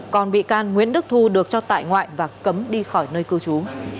còn bị can nguyễn đức thu được cho tại ngoại và cấm đi khỏi nơi cư trú